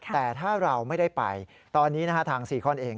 แต่ถ้าเราไม่ได้ไปตอนนี้ทางซีคอนเอง